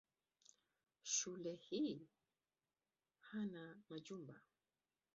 Shule hii hana majumba.